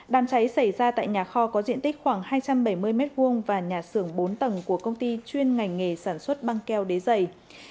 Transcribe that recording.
đám cháy xảy ra tại nhà kho có diện tích khoảng hai trăm bảy mươi m hai và nhà xưởng bốn tầng của công ty chuyên ngành nghề sản xuất băng keo đế dày